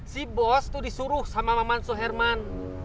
si bos tuh disuruh sama mamansuh herman